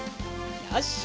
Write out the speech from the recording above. よし！